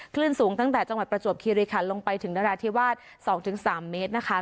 คลื่นสูงตั้งแต่จังหวัดประจวบคิริคันลงไปถึงนราธิวาส๒๓เมตรนะคะ